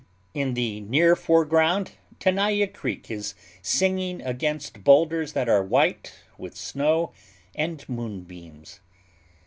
In the near foreground Tenaya Creek is singing against boulders that are white with snow and moonbeams.